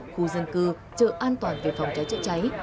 khu dân cư trợ an toàn vì phòng cháy chữa cháy